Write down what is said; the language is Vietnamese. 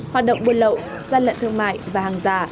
hoạt động buôn lậu gian lận thương mại và hàng giả